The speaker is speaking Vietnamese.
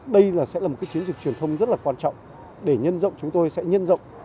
đây sẽ là một chiến dịch truyền thông rất quan trọng để nhân rộng chúng tôi sẽ nhân rộng